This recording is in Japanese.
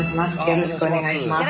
よろしくお願いします。